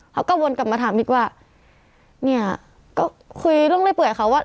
เขาก็วนกลับมาถามอีกว่าเนี่ยก็คุยเรื่องเรื่อยเปื่อยเขาว่า